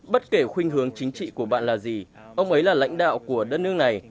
bất kể khuyên hướng chính trị của bạn là gì ông ấy là lãnh đạo của đất nước này